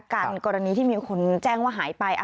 กรณีที่มีคนแจ้งว่าหายไป